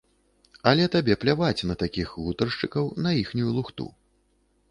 Але табе пляваць на такіх гутаршчыкаў, на іхнюю лухту.